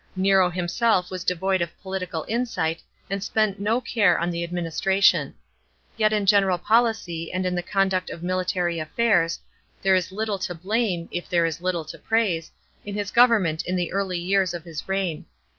Nero himself was devoid of political insight and spent no care on the adminis tration. Yet in general policy and in the conduct of military affairs, there is little to blame, if there is little to praise, in his government in the early years of his reign.